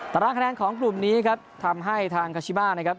ตารางคะแนนของกลุ่มนี้ครับทำให้ทางคาชิมานะครับ